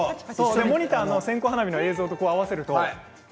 モニターの線香花火の映像と合わせると。